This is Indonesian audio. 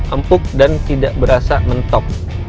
empuk dan tidak berasa mentok